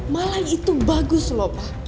malah itu bagus lho pa